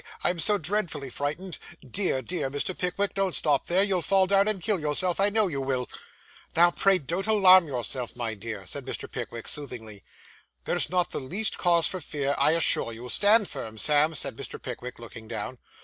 I am so dreadfully frightened. Dear, dear Mr. Pickwick, don't stop there. You'll fall down and kill yourself, I know you will.' 'Now, pray don't alarm yourself, my dear,' said Mr. Pickwick soothingly. 'There is not the least cause for fear, I assure you. Stand firm, Sam,' said Mr. Pickwick, looking down.